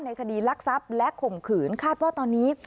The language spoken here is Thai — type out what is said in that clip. คดีรักทรัพย์และข่มขืนคาดว่าตอนนี้